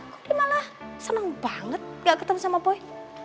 kok dia malah senang banget gak ketemu sama boy